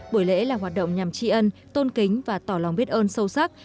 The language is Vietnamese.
buổi lễ là hoạt động nhằm tri ân tôn kính và tỏ lòng biết ơn sâu sắc